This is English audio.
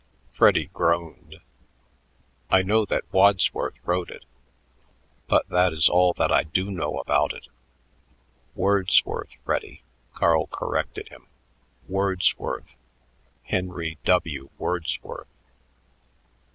Freddy groaned. "I know that Wadsworth wrote it, but that is all that I do know about it." "Wordsworth, Freddy," Carl corrected him. "Wordsworth. Henry W. Wordsworth."